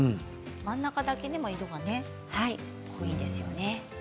真ん中だけ色が濃いですよね。